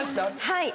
はい。